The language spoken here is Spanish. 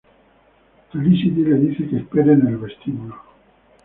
Felicity le dice que espere en el vestíbulo.